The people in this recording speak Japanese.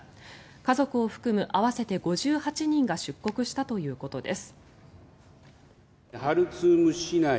家族を含む合わせて５８人が出国したということです。